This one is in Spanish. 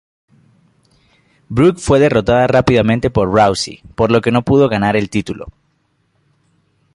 Brooke fue derrotada rápidamente por Rousey, por lo que no pudo ganar el título.